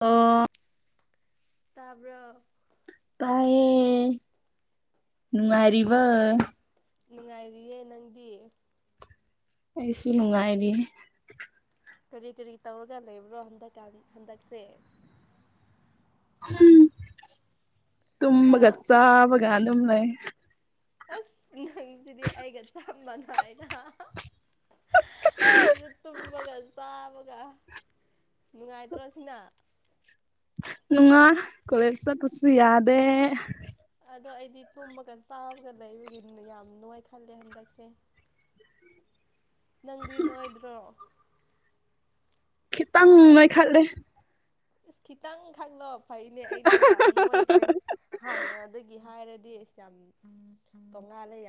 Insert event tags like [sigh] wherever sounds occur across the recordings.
ꯑ ꯇꯕ꯭ꯔ ꯄꯥꯏꯦ ꯅꯉꯔꯤꯕ ꯅꯨꯡꯉꯥꯏꯔꯤꯌꯦ ꯅꯪꯗꯤ ꯑꯩꯁꯨ ꯅꯨꯡꯉꯥꯏꯔꯤ ꯀꯔꯤ ꯀꯔꯤ ꯇꯧꯔꯒ ꯂꯩꯕ꯭ꯔꯣ ꯍꯟꯗ ꯍꯟꯗꯛꯁꯦ ꯍꯥ ꯇꯃꯒꯆꯥꯥꯕꯒ ꯑꯗꯨꯝ ꯂꯩ ꯑꯁ ꯅꯪꯁꯤꯗꯤ ꯑꯩꯒ ꯆꯝꯕꯅ ꯍꯥꯏꯅ ꯑꯩꯁꯨ ꯇꯨꯡꯃꯤ ꯒ ꯆ ꯒ ꯅꯨꯡꯉꯥꯏꯇ꯭ꯔꯣꯁꯤꯅ ꯅꯨꯡꯉ ꯀꯣꯂꯦꯜꯁ ꯈꯁꯤ ꯌꯥꯗꯦ ꯑꯗꯣ ꯑꯩꯗꯤ ꯇꯨꯝꯃꯒ ꯆꯥꯕꯒ ꯂꯩꯕꯒꯤ ꯌꯥꯝꯅꯣꯏ ꯈꯜꯂꯦ ꯍꯟꯗꯛꯁꯦ [unintelligible] ꯅꯪꯗꯤ ꯅꯣꯏꯗ꯭ꯔꯣ ꯈꯤꯇꯪ ꯉꯥꯏꯈꯠꯂꯦ ꯑꯁ ꯈꯤꯇꯪ ꯈꯜꯂꯣ ꯐꯩꯅꯦ ꯑꯩꯗꯤ ꯌꯥꯝ ꯅꯨꯡꯉꯥꯏꯈ꯭ꯔꯦ ꯍꯥꯟꯅꯗꯒꯤ ꯍꯥꯏꯔꯗꯤ ꯗꯤꯁꯝ ꯎꯝ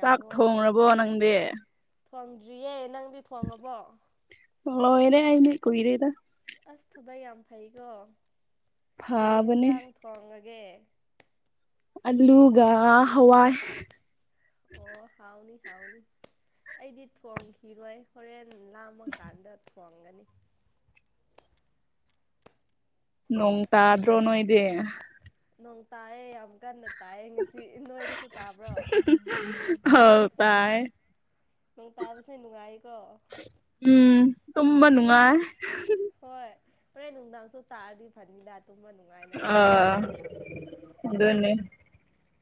ꯆꯥꯛ ꯊꯣꯡꯕꯣ ꯅꯪꯗꯤ ꯊꯣꯡꯗ꯭ꯔꯤꯌꯦ ꯅꯪꯗꯤ ꯊꯣꯉꯕꯣ ꯀꯣꯏ ꯔꯦꯗ ꯑꯁ ꯊꯕꯛ ꯌꯥꯝ ꯐꯩꯀꯣ ꯀꯔꯤ ꯐꯕꯅꯦ ꯍꯦꯟꯖꯥꯡ ꯊꯣꯡꯉꯒꯦ ꯑ ꯂꯨꯒ ꯍꯋꯥ ꯑꯣ ꯍꯥꯎꯥꯎꯅꯤ ꯍꯥꯎꯅꯤ ꯑꯩꯗꯤ ꯊꯣꯡ ꯈꯔꯣꯏ ꯍꯔꯦꯟ ꯂꯥꯝꯃ ꯀꯥꯟꯗ ꯊꯣꯡꯒꯅꯤ ꯅꯅꯨꯡ ꯇꯗ꯭ꯔꯣꯅꯣ ꯏꯦ ꯅꯣꯡ ꯇꯥꯏꯌꯦ ꯌꯥꯝ ꯀꯥꯟ ꯅ ꯇꯥꯏꯌꯦ ꯉꯁꯤ ꯅꯅꯁꯨ ꯇꯥꯕ꯭ꯔꯣ ꯑꯧ ꯇꯥꯏ ꯅꯪ ꯇꯥꯕꯁꯦ ꯅꯨꯡꯉꯥꯏꯀꯣ ꯇꯨꯝꯝꯕ ꯅꯨꯡꯉꯥꯏ ꯍꯣꯏ ꯎꯗꯥꯝꯁꯨꯣ ꯇꯥꯗꯤ ꯐꯃꯤ ꯂ ꯇꯨꯝꯃ ꯅꯨꯡꯉꯥꯏꯅꯕ ꯑꯗꯟꯅꯦ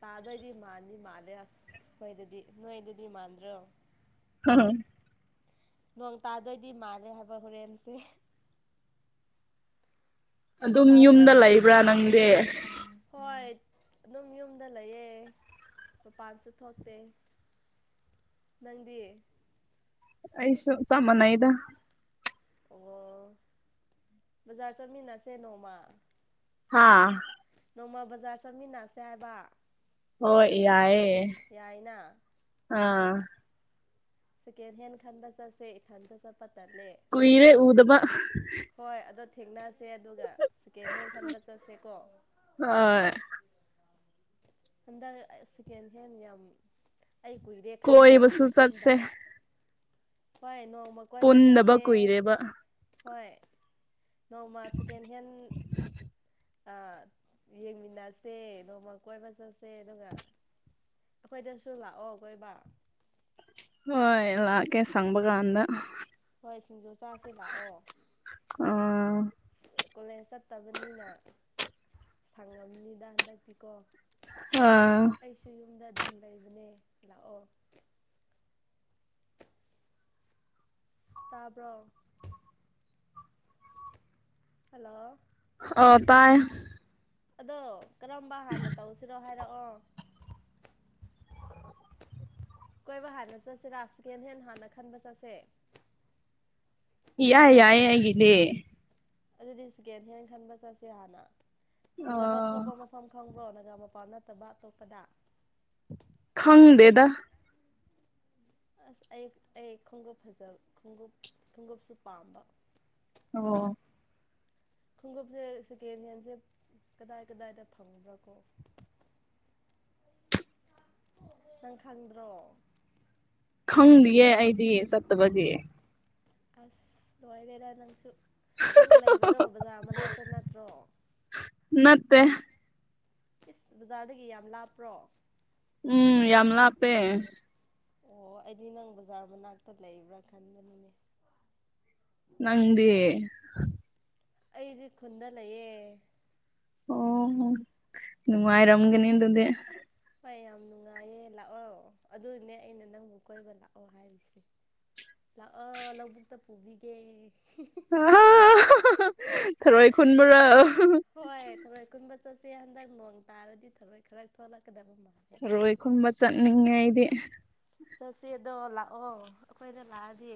ꯇꯥꯗꯗꯤ ꯃꯥꯥꯟꯅꯤ ꯃꯥꯂꯦ ꯑꯁ ꯀꯣꯏꯗꯗꯤ ꯅꯣꯏꯗꯗꯤ ꯃꯥꯟꯗ꯭ꯔꯣ ꯍ ꯅꯣꯡ ꯇꯥꯗꯣꯏꯗꯤ ꯃꯥꯜꯂꯦ ꯍꯥꯏꯕ ꯍꯣꯔꯦꯟꯁꯦ ꯑꯗꯨꯝ ꯇꯥꯕ꯭ꯔꯣ ꯌꯨꯝꯗ ꯂꯩꯕ꯭ꯔꯥ ꯅꯪꯗꯤ ꯍꯣꯏ ꯑꯗꯨꯝ ꯌꯨꯝꯗ ꯂꯩꯌꯦ ꯃꯄꯥꯟꯁꯨ ꯊꯣꯛꯇꯦ ꯃꯗꯤ ꯑꯩꯁꯣ ꯆꯃꯅ ꯏꯗ ꯑꯣ ꯕꯖꯥꯔ ꯆꯠꯃꯤꯟꯅꯁꯦ ꯅꯣꯡꯃ ꯑꯥ ꯅꯣꯡꯃ ꯕꯖꯥꯔ ꯆꯠꯃꯤꯟꯅꯁꯦ ꯍꯥꯏꯕ ꯑꯣ ꯌꯥꯑ ꯌꯥꯏꯅ ꯑꯥ ꯦꯟ ꯍꯦꯟ ꯈꯗ ꯆ ꯀꯏꯔꯦ ꯎꯗꯕ ꯍꯣꯏ ꯑꯗꯣ ꯊꯦꯡꯅꯁꯦ ꯑꯗꯨꯒ ꯁꯦꯀꯦꯟ ꯍꯦꯟ ꯈꯟꯕ ꯆꯠꯁꯦꯀꯣ ꯍꯣꯏ ꯑꯗꯀꯦꯟꯦ ꯌꯥꯝ ꯌꯥꯝ ꯑꯩ ꯀꯨꯏꯔꯦ ꯈꯟꯕ ꯀꯣꯏꯕꯁꯨ ꯆꯠꯁꯦ ꯈꯟꯗꯕ ꯍꯣꯏ ꯅꯣꯡ ꯄꯗꯕ ꯀꯨꯣꯏꯔꯦꯕ ꯍꯣꯏ ꯅꯣꯡꯃ ꯁꯦꯀꯦꯟ ꯍꯦꯟ ꯑꯥ ꯌꯦꯡꯃꯤꯟꯅꯁꯦ ꯅꯣꯡꯃ ꯀꯣꯏꯕ ꯆꯠꯁꯦ ꯑꯗꯨꯒ ꯑꯩꯈꯣꯏꯗꯁꯨ ꯂꯥꯛꯑꯣ ꯀꯣꯏꯕ ꯍ ꯏꯂꯀꯦ ꯁꯪꯕꯒꯥꯟꯗ ꯍꯣꯏ ꯁꯤꯡꯖꯨ ꯆꯥꯁꯦ ꯂꯥꯛꯑꯣ ꯑꯥ ꯀꯣꯂꯦꯖ ꯆꯠꯇꯕꯅꯤꯅ ꯁꯪꯉꯝꯅꯤꯗ ꯍꯟꯗꯛꯇꯤꯀꯣ ꯑꯥ ꯑꯩꯁꯨ ꯌꯨꯝꯗ ꯑꯗꯨꯝ ꯂꯩꯕꯅꯦ ꯂꯥꯛꯑꯣ ꯇꯥꯕ꯭ꯔꯣ ꯍꯜꯂꯣ ꯑ ꯇꯥꯏ ꯑꯗꯣ ꯀꯔꯝꯕ ꯍꯥꯟꯅ ꯇꯧꯁꯤꯔꯣ ꯍꯥꯏꯔꯛꯑꯣ ꯀꯣꯏꯕ ꯍꯥꯟꯅ ꯆꯠꯁꯤꯔꯥ ꯁꯦꯀꯦꯟ ꯍꯦꯟ ꯍꯥꯟꯅ ꯈꯟꯕ ꯆꯠꯁꯦ ꯌꯥꯏ ꯀꯣ ꯌꯥꯏ ꯍꯥꯏꯒꯅꯤꯦ ꯑꯗꯨꯗꯤ ꯁꯦꯀꯦꯟ ꯍꯦꯟ ꯈꯟꯕ ꯆꯠꯁꯦ ꯍꯥꯟꯅ ꯐꯖꯕ ꯑꯣ ꯊꯣꯛꯄ ꯃꯐꯝ ꯈꯪꯕ꯭ꯔꯣ ꯅ ꯒꯥ ꯃꯄꯥ ꯅꯠꯇꯕ ꯑꯇꯣꯞꯄꯗ ꯈꯪꯗꯦꯗ ꯑꯁ ꯑꯩ ꯑꯩ ꯈꯣꯡꯎꯞ ꯐꯖꯕ ꯈꯣꯡꯎꯞ ꯈꯣꯡꯎꯞꯁꯨ ꯄꯥꯝꯕ ꯑꯣ ꯈꯣꯡꯎꯞꯁꯦ ꯁꯦꯀꯦꯟ ꯍꯦꯟꯁꯦ ꯀꯗꯥꯏ ꯀꯗꯥꯏꯗ ꯐꯪꯕ꯭ꯔꯥ ꯀꯣ ꯅꯪ ꯈꯪꯗ꯭ꯔꯣ ꯈꯪꯗꯤꯌꯦ ꯑꯩꯗꯤ ꯆꯠꯇꯕꯒꯤ ꯑꯁ ꯂꯣꯏꯕꯦꯔ ꯅꯪꯁꯨ ꯅꯪ ꯂꯩꯕꯗꯣ ꯕꯖꯥꯔ ꯃꯅꯥꯛꯇ ꯅꯠꯇ꯭ꯔꯣ ꯃꯠꯇꯦ ꯏꯁ ꯕꯖꯥꯔꯗꯒꯤ ꯌꯥꯝ ꯂꯥꯞꯄ꯭ꯔꯣ ꯎꯝ ꯌꯥꯝꯂꯄꯦ ꯑꯣ ꯑꯩꯗꯤ ꯅꯪ ꯕꯖꯥꯔ ꯃꯅꯥꯛꯇ ꯂꯩꯕ꯭ꯔꯥ ꯈꯟꯕꯅꯤꯅꯦ ꯅꯪꯗꯦ ꯑꯩꯗꯤ ꯈꯨꯟꯗ ꯂꯩꯌꯦ ꯑꯣꯅꯨꯡꯥꯏꯔꯝꯒꯅꯤꯗꯦ ꯍꯣꯏ ꯌꯥꯝ ꯅꯨꯡꯉꯥꯏꯌꯦ ꯂꯥꯛꯑꯣ ꯑꯗꯨꯅꯦ ꯑꯩꯅ ꯅꯪꯕꯨ ꯀꯣꯏꯕ ꯂꯥꯛꯑꯣ ꯍꯥꯏꯔꯤꯁꯦ ꯂꯥꯛꯑꯣ ꯂꯧꯕꯨꯛꯇ ꯄꯨꯕꯤꯒꯦ ꯈꯔꯣꯏ ꯈꯨꯨꯟꯕ꯭ꯔꯥ ꯆꯦ ꯍꯟꯗꯛ ꯅꯣꯡ ꯇꯥꯔꯗꯤ ꯊꯕꯛ ꯈꯔꯛ ꯊꯣꯛꯂꯛꯀꯗꯕ ꯃꯥꯜꯂꯦ ꯆꯔꯣꯏꯒꯨꯝꯕ ꯆꯠꯅꯤꯡꯉꯦ ꯑꯩꯗꯤ ꯆꯠꯁꯦꯗꯣ ꯂꯥꯛꯑꯣ ꯑꯩꯈꯣꯏꯅ ꯂꯥꯛꯑꯗꯤ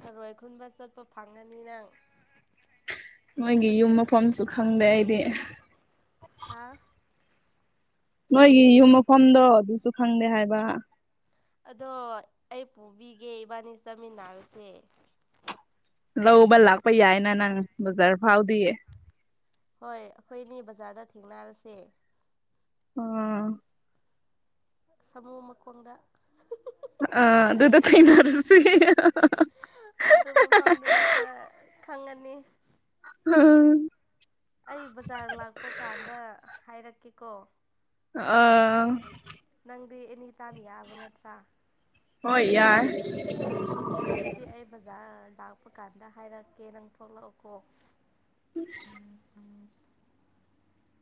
ꯊꯔꯣꯏ ꯈꯨꯟꯕ ꯆꯠꯄ ꯐꯪꯒꯅꯤ ꯃꯤꯔꯥꯡ ꯃꯣꯏꯒꯤ ꯌꯨꯝ ꯃꯐꯝꯁꯨ ꯈꯪꯗꯦ ꯑꯩꯗꯤ ꯍꯥ ꯅꯣꯏꯒꯤ ꯌꯨꯝ ꯃꯐꯝꯗꯣ ꯑꯗꯨꯁꯨ ꯈꯪꯗꯦ ꯍꯥꯏꯕ ꯑꯗꯣ ꯑꯩ ꯄꯨꯕꯤꯒꯦ ꯏꯕꯥꯅꯤ ꯆꯠꯃꯤꯟꯅꯔꯁꯦ ꯂꯧꯕ ꯂꯥꯛꯄ ꯌꯥꯏꯅ ꯅꯪ ꯕꯖꯥꯔ ꯐꯥꯎꯗꯤꯌꯦ ꯍꯣꯏ ꯑꯩꯈꯣꯏꯅꯤ ꯕꯖꯥꯔꯗ ꯊꯦꯡꯅꯔꯁꯦ ꯑꯝ ꯁꯃꯨꯍ ꯃꯀꯣꯟꯗ ꯑ ꯑꯗꯨꯗꯨꯗ ꯊꯅꯔꯁꯨꯒ ꯑꯗꯨ ꯃꯐꯝꯗꯨꯅ ꯈꯔ ꯈꯪꯉꯅꯤ ꯎꯝ ꯑꯩ ꯕꯖꯥꯔ ꯂꯥꯛꯄ ꯀꯥꯟꯗ ꯍꯥꯏꯔꯛꯀꯦꯀꯣ ꯑꯥ ꯅꯪꯗꯤ ꯑꯦꯅꯤ ꯇꯥꯏꯝ ꯌꯥꯕ ꯅꯠꯇ꯭ꯔꯥ ꯍꯣꯏ ꯌꯥꯔ ꯑꯗꯨꯗꯤ ꯑꯩ ꯕꯖꯥꯔ ꯂꯥꯛꯄ ꯀꯥꯟꯗ ꯍꯥꯏꯔꯛꯀꯦ ꯅꯪ ꯊꯣꯛꯂꯛꯑꯣꯀꯣ ꯍ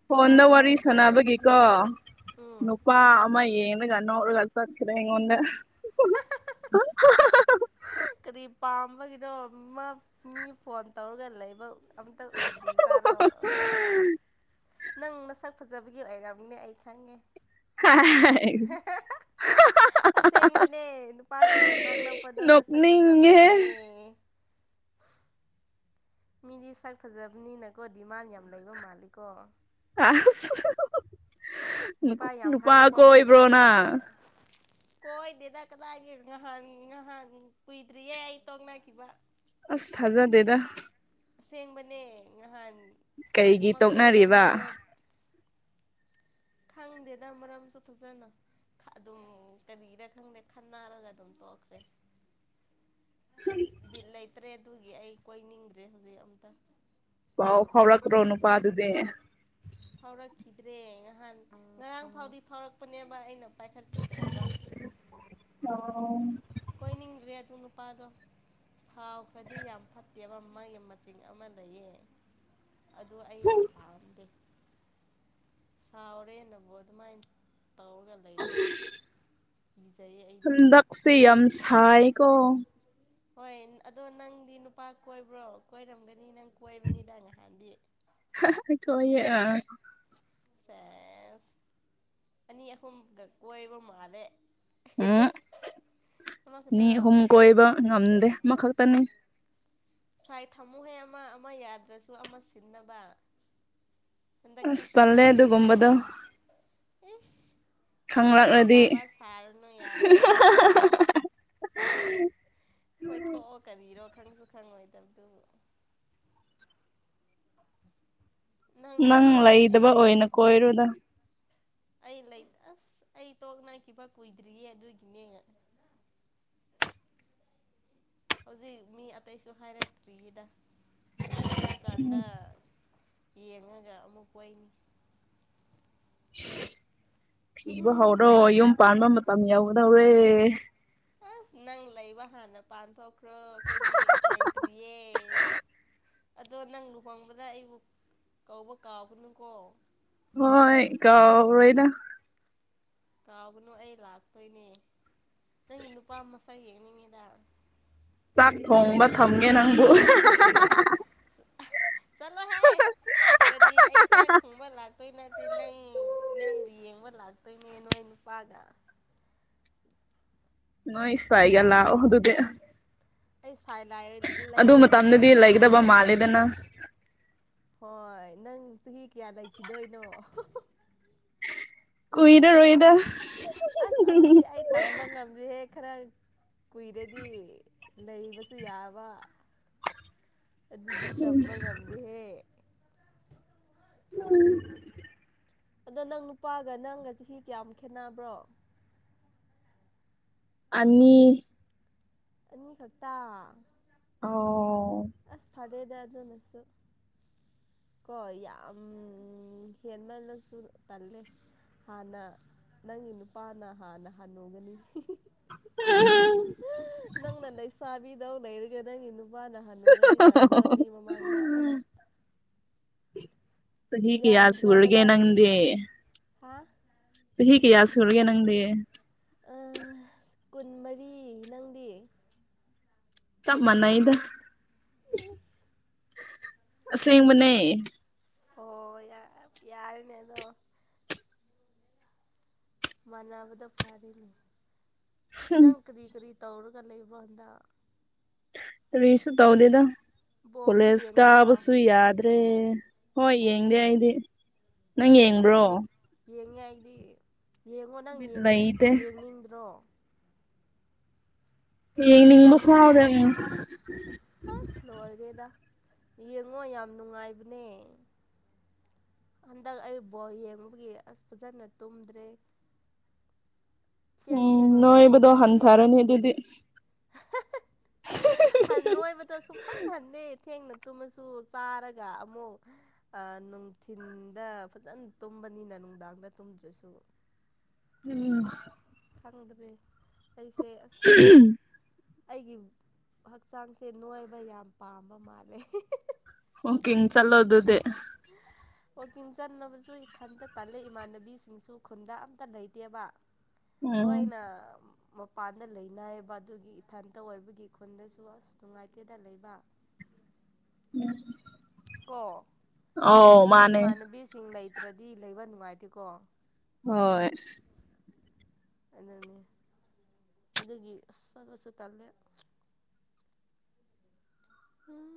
ꯐꯣꯟꯗ ꯇꯥꯕ꯭ꯔꯣ ꯋꯥꯔꯤ ꯁꯥꯟꯅꯕꯒꯤꯀꯣ ꯎꯝ ꯅꯨꯄꯥ ꯑꯃ ꯌꯦꯡꯉꯒꯥꯟ ꯏꯔ ꯀꯜꯁ ꯍꯥꯈꯤꯗ ꯍꯉꯣꯟꯗ ꯀꯔꯤ ꯄꯥꯝꯕꯒꯤꯅꯣ ꯃꯥ ꯃꯤ ꯐꯣꯟ ꯇꯧꯔꯒ ꯂꯩꯕ ꯑꯇ ꯎꯖꯤ ꯆꯂ ꯅꯪ ꯃꯁꯛ ꯐꯖꯕꯒꯤ ꯑꯣꯏꯔꯕꯅꯦ ꯑꯩ ꯈꯪꯉꯦ [inaudible] ꯑꯁꯦꯡꯕꯅꯦ ꯅꯨꯄꯥꯁꯤꯡꯅ ꯅꯣꯛ ꯅꯛꯄꯗꯣ ꯅꯁꯛ ꯅꯣꯛꯅꯤꯡꯉꯦꯍꯦ ꯐꯖꯕꯒꯤꯅꯦ ꯃꯤꯗꯤ ꯁꯛ ꯐꯖꯕꯅꯤꯅꯀꯣ ꯗꯤꯃꯥꯟ ꯌꯥꯝ ꯂꯩꯕ ꯃꯥꯜꯂꯤꯀꯣ ꯑꯁ ꯅꯨꯄꯥ ꯌꯥꯝ ꯍꯥꯏꯔꯛꯄ ꯃꯥꯜꯂꯦ ꯀꯣꯏꯕ꯭ꯔꯣ ꯍꯟꯗꯛꯁꯦ ꯅꯪ ꯀꯣꯏꯗꯦꯗ ꯀꯗꯥꯏꯒꯤ ꯉꯍꯥꯟ ꯉꯍꯥꯟ ꯀꯨꯏꯗ꯭ꯔꯤꯌꯦ ꯑꯩ ꯇꯣꯡꯅꯈꯤꯕ ꯑꯁ ꯊꯥꯖꯗꯦꯗ ꯑꯁꯦꯡꯕꯅꯦ ꯉꯍꯥꯟ ꯀꯩꯒꯤ ꯑꯃ ꯇꯣꯛꯅꯔꯤꯕ ꯀꯣꯏꯔꯝꯕꯗꯣ ꯈꯪꯗꯦꯗ ꯃꯔꯝꯁꯨ ꯐꯖꯅ ꯑꯗꯨꯝ ꯀꯔꯤꯔ ꯈꯪꯗꯦ ꯈꯟꯅꯔꯒ ꯑꯗꯨꯝ ꯇꯣꯛꯈ꯭ꯔꯦ [inaudible] [inaudible] ꯕꯤꯠ ꯂꯩꯇ꯭ꯔꯦ ꯑꯗꯨꯒꯤ ꯑꯩ ꯀꯣꯏꯅꯤꯡꯗ꯭ꯔꯦ ꯍꯧꯖꯤꯛ ꯑꯝꯇ ꯄꯥꯎ ꯐꯥꯎꯂꯛꯇ꯭ꯔꯣ ꯅꯄꯥꯗꯨꯗꯤ ꯐꯥꯎꯔꯛꯈꯤꯗ꯭ꯔꯦ ꯉꯍꯥꯟ ꯉꯔꯥꯡ ꯐꯥꯎꯗꯤ ꯐꯥꯎꯔꯛꯄꯅꯦꯕ ꯑꯩꯅ ꯄꯥꯏꯈꯠꯄꯤꯗ꯭ꯔꯕ ꯑꯣ ꯀꯣꯏꯅꯤꯡꯗꯦ ꯑꯗꯨ ꯄꯥꯥꯗꯣ ꯁꯥꯎꯈ꯭ꯔꯗꯤ ꯌꯥꯝ ꯐꯠꯇꯦꯕ ꯃꯥꯒꯤ ꯃꯆꯤꯡ ꯑꯃ ꯂꯩꯌꯦ ꯑꯗꯨ ꯑꯩ ꯌꯥꯝ ꯄꯥꯝꯗꯦ ꯁꯥꯎꯔꯦꯟꯅꯕꯣ ꯑꯗꯨꯃꯥꯢꯅ ꯑꯗꯨ ꯀꯤꯖꯩꯌꯦ ꯑꯩꯗꯤ ꯍꯗꯛꯁꯤ ꯌꯥꯝꯁꯥꯏ ꯀꯣ ꯍꯣꯏ ꯑꯗꯣ ꯅꯪꯗꯤ ꯅꯨꯄꯥ ꯀꯣꯏꯕ꯭ꯔꯣ ꯀꯣꯏꯔꯝꯒꯅꯤ ꯅꯪ ꯀꯏꯕꯅꯤꯗ ꯅꯍꯟꯗꯤ ꯑ ꯁꯦꯁ ꯑꯅꯤ ꯑꯍꯨꯝꯒ ꯀꯣꯢꯕ ꯃꯥꯂꯦ ꯎꯝ ꯅꯤ ꯑꯍꯨꯝ ꯑꯃꯈꯛꯇꯔꯣ ꯀꯣꯏꯕ ꯉꯝꯗꯦ ꯑꯃꯈꯛꯇꯅꯤ ꯉꯥꯏ ꯊꯃꯨꯍꯦ ꯑꯃ ꯑꯃ ꯌꯥꯗ꯭ꯔꯁꯨ ꯑꯃ ꯁꯤꯟꯅꯕ ꯍꯟꯗꯛꯇꯤ ꯑꯁ ꯁꯤ ꯇꯜꯂꯦ ꯉꯥꯛꯇꯪꯅꯦ ꯑꯗꯨꯒꯨꯝꯕꯗꯣ ꯀꯩꯅꯣ ꯏꯁ ꯌꯥꯝ ꯒ꯭ꯌꯥꯟ ꯈꯪꯂꯛꯂꯗꯤ ꯇꯥꯕ ꯁꯥꯔꯨꯅꯨ ꯌꯥꯔꯦ ꯍꯍꯍ ꯀꯣꯏ ꯊꯣꯛꯑꯣ ꯀꯕꯤꯔꯣ ꯈꯪꯁꯨ ꯈꯪ ꯑꯣꯏ ꯅꯪ ꯂꯩꯗꯕ ꯑꯣꯏꯅ ꯀꯣꯏꯔꯨꯗ ꯑꯩ ꯂꯩ ꯑꯁ ꯑꯩ ꯇꯣꯛꯅꯈꯤꯕ ꯀꯨꯏꯗ꯭ꯔꯤꯌꯦ ꯑꯗꯨꯒꯤꯅꯦ ꯍꯧꯖꯤꯛ ꯃꯤ ꯑꯇꯩꯁꯨ ꯍꯥꯏꯔꯛꯇ꯭ꯔꯤꯗ ꯍꯥꯏꯔꯛꯑꯀꯥꯟꯗ ꯌꯦꯡꯉꯒ ꯑꯃꯨꯛ ꯀꯣꯢꯅꯤ [inaudible] ꯊꯤꯕ ꯍꯧꯔꯣ ꯌꯨꯝ ꯄꯥꯟꯕ ꯃꯇꯝ ꯌꯧꯒꯗꯧꯔꯦ ꯑꯁ ꯅꯪ ꯂꯩꯕ ꯍꯥꯟꯅ ꯄꯥꯟ ꯊꯣꯛꯈ꯭ꯔꯣ ꯑꯩꯈꯣꯏꯗꯤ ꯂꯩꯇ꯭ꯔꯤꯌꯦ ꯑꯗꯣ ꯅꯪ ꯂꯨꯍꯣꯡꯕꯗ ꯑꯩꯕꯨ ꯀꯧꯕ ꯀꯥꯎꯕꯅꯨꯀꯣ ꯍꯣꯏ ꯀꯥꯎꯔꯣꯏꯗ ꯀꯥꯎꯒꯅꯨ ꯑꯩ ꯂꯥꯛꯇꯣꯏꯅꯦ ꯅꯪꯒꯤ ꯅꯨꯄꯥ ꯃꯆꯥ ꯌꯦꯡ ꯆꯥꯛ ꯊꯣꯡꯕ ꯊꯝꯒꯦ ꯅꯪꯕꯨ ꯆꯂꯣ ꯍ ꯀꯔꯤ ꯑꯩ ꯆꯥꯛ ꯊꯣꯡꯕ ꯂꯥꯛꯇꯣꯏ ꯅꯠꯇꯦ ꯅꯪ ꯅꯪꯕꯨ ꯌꯦꯡꯕ ꯂꯥꯛ ꯑꯩꯅꯦ ꯅꯣꯏ ꯅꯨꯄꯥꯒ ꯅꯣꯢ ꯁꯥꯢꯒ ꯂꯥꯛꯑꯣ ꯗꯨꯗꯦ ꯑꯩ ꯁꯥꯏ ꯑꯗꯨ ꯂꯩꯔꯗꯤ ꯁꯥꯏ ꯃꯇꯝꯗꯗꯤ ꯂꯩꯒꯗꯕ ꯃꯥꯜꯂꯦꯗꯅ ꯍꯣꯏ ꯅꯪ ꯆꯍꯤ ꯀꯌꯥ ꯂꯩꯈꯤꯗꯣꯏꯅꯣ ꯀꯨꯏꯔꯔꯣꯏꯗ ꯑꯁ ꯑꯗꯨꯗꯤ ꯑꯩ ꯇꯝꯕ ꯉꯝꯗꯦꯍꯦ ꯈꯔ ꯀꯨꯏꯔꯗꯤ ꯂꯩꯕꯁꯨ ꯌꯥꯕ ꯑꯗꯨꯗꯤ ꯇꯝꯕ ꯉꯝꯗꯦꯍꯦ ꯎꯝ ꯑꯗꯣ ꯅꯪ ꯅꯨꯄꯥꯒ ꯅꯪꯒ ꯆꯍꯤ ꯀꯌꯥꯝ ꯈꯦꯠꯅꯕ꯭ꯔꯣ ꯑꯅꯤ ꯑꯅꯤ ꯈꯛꯇ ꯑꯣ ꯑꯁ ꯐꯔꯦꯗꯥ ꯑꯗꯨ ꯅꯁꯨ ꯀꯣꯏ ꯌꯥꯝ ꯍꯦꯟꯃꯜꯂꯁꯨ ꯇꯜꯂꯦ ꯍꯥꯟꯅ ꯅꯪꯒꯤ ꯅꯨꯄꯥꯅ ꯍꯥꯟꯅ ꯍꯅꯨꯒꯅꯤ ꯎꯝꯝ ꯅꯪ ꯅ ꯂꯩꯁꯥꯕꯤꯗꯧ ꯂꯩꯔꯒ ꯅꯪꯒꯤ ꯅꯨꯄꯥꯅ ꯍꯅꯨꯔꯗꯤ ꯇꯟꯗ꯭ꯔ‌ꯣ ꯃꯤ ꯃꯃꯥꯡꯗ ꯆꯍꯤ ꯀꯌꯥ ꯁꯨꯔꯒꯦ ꯌꯥꯝꯗ꯭ꯔꯕꯗ ꯅꯪꯗꯤ ꯍꯥ ꯆꯍꯤ ꯀꯌꯥ ꯁꯨꯔꯒꯦ ꯅꯪꯗꯤ ꯀꯨꯟꯃꯔꯤ ꯅꯪꯗꯤ ꯆꯞ ꯃꯅꯩꯗ ꯏꯁ ꯑꯁꯦꯡꯕꯅꯦ ꯍ‌ꯣ ꯌꯥ ꯌꯥꯔꯅꯦ ꯑꯗꯣ ꯃꯥꯟꯅꯕꯗ‌ꯣ ꯐꯥꯔ‌ꯦꯅꯤ ꯍꯝ ꯅꯪ ꯀꯔꯤ ꯀꯔꯤ ꯇꯧꯔꯒ ꯂꯩꯕꯔ‌ꯣ ꯅꯪ ꯀꯔꯤꯁꯨ ꯇꯧꯗ‌ꯦꯗ ꯕꯣꯜꯗꯤ ꯀ‌ꯣꯂꯦꯖ ꯌꯦꯡꯗ꯭ꯔꯣ ꯀꯥꯕꯁꯨ ꯌꯥꯗ꯭ꯔꯦ ꯍꯣꯏ ꯑꯣ ꯌꯦꯡꯗꯦ ꯑꯩꯗꯤ ꯅꯪ ꯑꯁ ꯌꯦꯡꯕ꯭ꯔꯣ ꯌꯦꯡꯉꯦ ꯑꯩꯗꯤ ꯌꯦꯡꯉꯣ ꯅꯪ ꯕꯤꯠ ꯌ‌ꯦꯡ ꯂꯩꯇꯦ ꯌꯦꯡꯅꯤꯡꯗ꯭ꯔꯣ ꯌꯦꯅꯤꯡꯕ ꯐꯥꯎꯗ‌ꯦ ꯎꯝ ꯑꯁ ꯂꯣꯏꯔꯦꯗ ꯌꯦꯡꯉꯣ ꯌꯥꯝ ꯅꯨꯡꯉꯥꯏꯕꯅꯦ ꯍꯟꯗꯛ ꯑꯩ ꯕꯣꯜ ꯌꯦꯡꯕꯒꯤ ꯑꯁ ꯐꯖꯅ ꯇꯨꯝꯗ꯭ꯔꯦ ꯊꯦꯡ ꯎꯝ ꯊꯦꯡꯅꯁꯨ ꯅꯣꯏꯕꯗꯣ ꯍꯧꯒꯠꯂꯦ ꯍꯟꯊꯔꯅꯤ ꯑꯗꯨꯗꯤ [unintelligible] ꯅꯣꯏꯕꯗ‌ꯣ ꯁꯨꯡꯍꯟ ꯍꯟꯗꯦ ꯊꯦꯡꯅ ꯇꯨꯝꯃꯁꯨ ꯆꯥꯔꯒ ꯑꯃꯨꯛ ꯅꯨꯡꯊꯤꯟꯗ ꯐꯖꯅ ꯇꯨꯝꯕꯅꯤꯅꯅ ꯅꯨꯡꯗꯥꯡꯗ ꯇꯨꯝꯗ꯭ꯔꯁꯨ ꯎꯝ ꯈꯪꯗ꯭ꯔꯦ ꯑꯩꯁꯦ ꯑꯁ ꯑꯩꯒꯤ ꯍꯛꯆꯥꯡꯁꯦ ꯅꯣꯏꯕ ꯌꯥꯝ ꯄꯥꯝꯕ ꯃꯥꯜꯂꯦ ꯋꯥꯀꯤꯡ ꯆꯠꯂ‌ꯣ ꯑꯗꯨꯗꯤ ꯋꯥꯛꯀꯤꯡ ꯆꯠꯅꯕꯁꯨ ꯏꯊꯟꯇ ꯇꯜꯂꯦ ꯏꯃꯥꯟꯅꯕꯤꯁꯤꯡꯁꯨ ꯈꯨꯟꯗ ꯑꯝꯇ ꯂꯩꯇꯦꯕ ꯎꯝ ꯂ‌ꯣꯏꯅ ꯃꯄꯥꯟꯗ ꯂꯩꯅꯩꯑꯕ ꯑꯗꯨꯒꯤ ꯏꯊꯟꯇ ꯑꯣꯏꯕꯒꯤ ꯈꯨꯟꯗꯁꯨ ꯑꯁ ꯅꯨꯡꯉꯥꯏꯇꯦꯗ ꯂꯩꯕ ꯎꯝ ꯑꯣ ꯈꯨꯠꯅꯁꯨ ꯏꯃꯥꯟꯅꯕꯤꯁꯤꯡ ꯂꯩꯇ꯭ꯔꯗꯤ ꯂꯩꯕ ꯅꯨꯡꯉꯥꯏꯇꯦꯀꯣ ꯍꯣꯏ ꯑꯗꯨꯅꯤ ꯑꯗꯨꯒꯤ ꯑꯁ ꯆꯠꯄꯁꯨ ꯇꯜꯂꯦ ꯎꯝ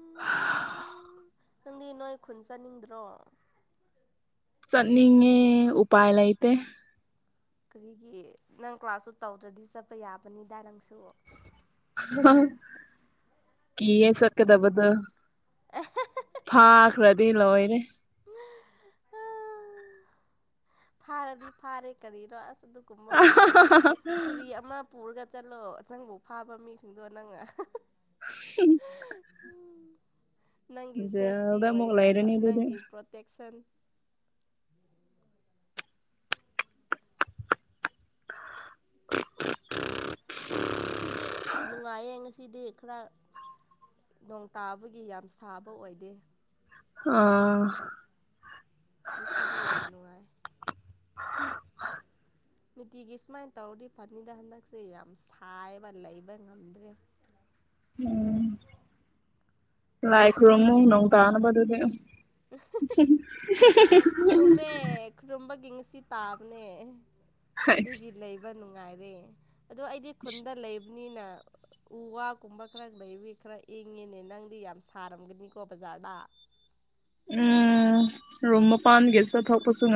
ꯅꯪꯗꯤ ꯅꯣꯏ ꯈꯨꯟ ꯆꯠꯅꯤꯡꯗ꯭ꯔꯣ ꯆꯠꯅꯤꯡꯉꯦ ꯎꯄꯥꯏ ꯂꯥꯏꯇ‌ꯦ ꯀꯔꯤꯒꯤ ꯅꯪ ꯀ꯭ꯂꯥꯁꯁꯨ ꯇꯧꯗ꯭ꯔꯗꯤ ꯆꯠꯄ ꯌꯥꯕꯅꯤꯗ ꯅꯪꯁꯨ ꯀꯤꯌ‌ꯦ ꯆꯠꯀꯗꯕꯗꯨ ꯐꯥꯈꯔꯗꯤ ꯂ‌ꯣꯏꯔ‌ꯦ ꯐꯥꯔꯗꯤ ꯐꯥꯔꯦ ꯀꯔꯤꯅꯣ ꯑꯁ ꯑꯗꯨꯒꯨꯝꯕꯒ ꯄꯤꯌꯨ ꯁꯨꯔꯤ ꯑꯃ ꯄꯨꯔꯒ ꯆꯠꯂꯣ ꯑꯁꯪꯐꯧ ꯐꯥꯕ ꯃꯤꯁꯤꯡꯗꯣ ꯅꯪ ꯎ [unintelligible] ꯅꯪꯒꯤ ꯁꯦꯞꯇꯤ ꯑꯣꯏꯅꯕ ꯂꯩꯔꯅꯤ ꯑꯗꯨꯗꯤ ꯅꯪꯒꯤ ꯄ꯭ꯔꯣꯇꯦꯛꯁꯟ ꯉꯁꯤꯗꯤ ꯅꯨꯡꯉꯥꯏꯌꯦ ꯉꯁꯤꯗꯤ ꯈꯔ ꯅꯣꯡ ꯇꯥꯕꯒꯤ ꯌꯥꯝ ꯁꯥꯕ ꯑꯣꯏꯗꯦ ꯑꯥ ꯉꯁꯤꯗꯤ ꯌꯥꯝ ꯅꯨꯡꯉꯥꯏ ꯅꯨꯡꯇꯤꯒꯤ ꯁꯨꯃꯥꯏꯅ ꯇꯧꯔꯗꯤ ꯐꯅꯤꯗ ꯍꯟꯗꯛꯁꯦ ꯌꯥꯝ ꯁꯥꯏꯕ ꯂꯩꯕ ꯉꯝꯗ꯭ꯔꯦ ꯎꯝ ꯂꯥꯏ ꯈꯨꯔꯨꯝꯃꯨ ꯅꯣꯡ ꯇꯥꯅꯕ ꯑꯗꯨꯗꯤ [inaudible] ꯤꯡꯁꯤ ꯇꯥꯕꯅꯦ ꯍꯩꯁ ꯑꯗꯨꯒꯤ ꯂꯩꯕ ꯅꯨꯡꯉꯥꯏꯔꯦ ꯑꯗꯣ ꯑꯩꯗꯤ ꯈꯨꯟꯗ ꯂꯩꯕꯅꯤꯅ ꯎ ꯋꯥꯒꯨꯝꯕ ꯈꯔ ꯂꯩꯕꯤ ꯈꯔ ꯏꯪꯉꯤꯅꯦ ꯅꯪꯗꯤ ꯌꯥꯝ ꯁꯥꯔꯝꯒꯅꯤꯀꯣ ꯕꯖꯥꯔꯗ ꯎꯝ ꯔꯨꯝ ꯃꯄꯥꯟꯒꯤꯁꯨ ꯊꯣꯛꯄꯁꯨ ꯉꯝ